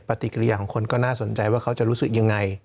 ปฏิกิริยาของคนก็น่าสนใจว่าเขาจะรู้สึกยังไง